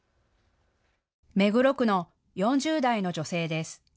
目黒区の４０代の女性です。